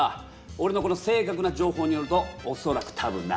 おれのこの正確な情報によるとおそらく多分な。